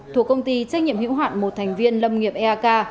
thuộc công ty trách nhiệm hữu hạn một thành viên lâm nghiệp eak